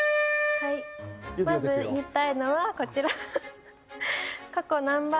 まず言いたいのはこちら。